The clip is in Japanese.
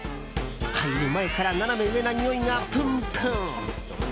入る前からナナメ上なにおいがぷんぷん。